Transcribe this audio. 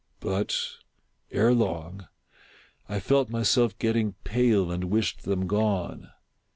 But, ere long, I felt myself getting pale and wished them gone.